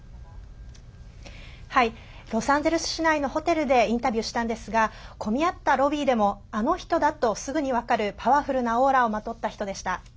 ロサンゼルス市内のホテルでインタビューしたんですが混み合ったロビーでもあの人だとすぐに分かるパワフルなオーラをまとった人でした。